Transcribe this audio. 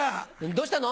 どうしたの？